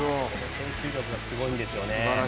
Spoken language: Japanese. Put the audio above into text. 選球眼がすごいんですよね。